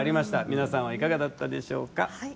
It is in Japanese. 皆さんはいかがだったでしょうか？